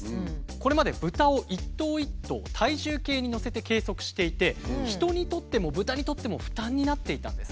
これまで豚を一頭一頭体重計にのせて計測していて人にとっても豚にとっても負担になっていたんです。